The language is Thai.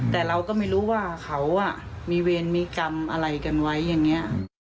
แต่เราก็ไม่รู้ว่าเขามีเวรมีกรรมอะไรกันไว้อย่างนี้